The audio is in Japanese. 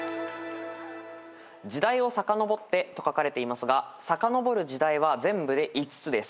時代をさかのぼってと書かれていますがさかのぼる時代は全部で５つです。